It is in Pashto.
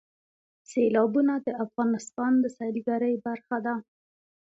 سیلابونه د افغانستان د سیلګرۍ برخه ده.